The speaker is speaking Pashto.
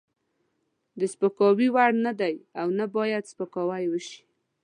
د سپکاوي وړ نه دی او نه باید سپکاوی وشي.